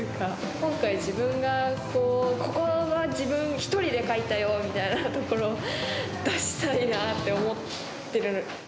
今回、自分が、ここが自分１人で描いたよみたいなところ出したいなって思ってる。